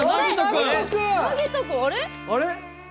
あれ？